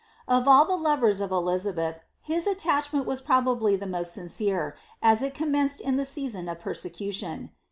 Of all the lovers of Elizabeth, his attachment was probably the most sincere, as it commenced in the season of persecution.